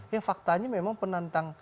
yang faktanya memang penantang